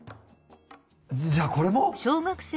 じゃあこれも？